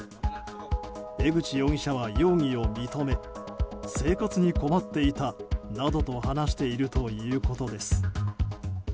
江口容疑者は容疑を認め生活に困っていたなどと話しているということです。